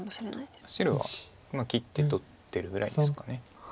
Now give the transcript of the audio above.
白は切って取ってるぐらいですか。